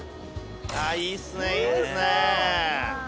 ああいいっすねいいっすね。